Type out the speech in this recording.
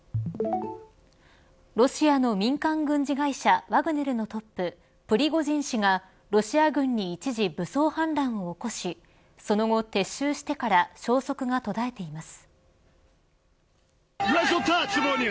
ロシアの民間軍事会社ワグネルのトップ、プリゴジン氏がロシア軍に一時武装反乱を起こしその後撤収してから消息が途絶えています。